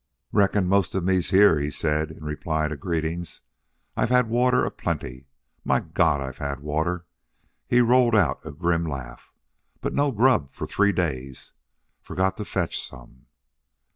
"Reckon most of me's here," he said in reply to greetings. "I've had water aplenty. My God! I've had WATER!" He rolled out a grim laugh. "But no grub for three days.... Forgot to fetch some!"